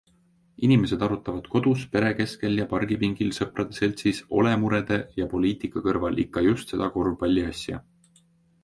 Inimesed arutavad kodus pere keskel ja pargipingil sõprade seltsis olemurede ja poliitika kõrval ikka just seda korvpalliasja.